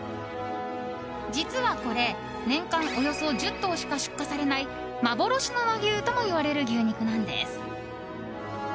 実はこれ、年間およそ１０頭しか出荷されない幻の和牛ともいわれる牛肉なんです。